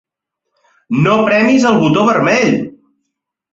No premis el botó vermell!